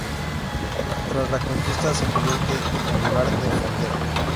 Tras La conquista se convierte en lugar de fondeo.